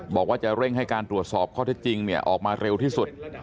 บอกว่าจะเร่งให้การตรวจสอบข้อเท็จจริงออกมาเร็วที่สุด